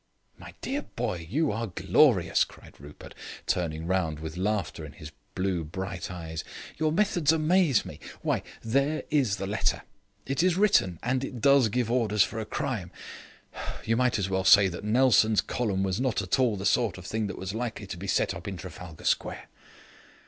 "My dear boy, you are glorious," cried Rupert, turning round, with laughter in his blue bright eyes. "Your methods amaze me. Why, there is the letter. It is written, and it does give orders for a crime. You might as well say that the Nelson Column was not at all the sort of thing that was likely to be set up in Trafalgar Square."